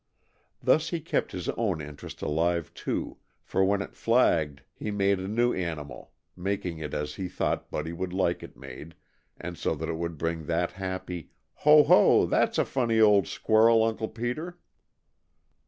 Thus he kept his own interest alive, too, for when it flagged he made a new animal, making it as he thought Buddy would like it made and so that it would bring that happy "Ho! ho! That's a funny old squ'arl, Uncle Peter."